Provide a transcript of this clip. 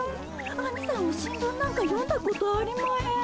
アニさんは新聞なんか読んだことありまへん。